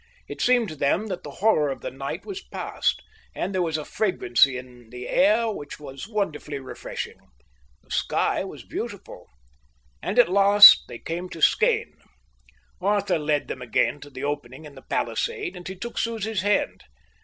It seemed to them that the horror of the night was passed, and there was a fragrancy in the air which was wonderfully refreshing. The sky was beautiful. And at last they came to Skene. Arthur led them again to the opening in the palisade, and he took Susie's hand.